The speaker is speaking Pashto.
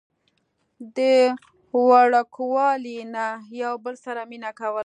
د وړوکوالي نه يو بل سره مينه کوله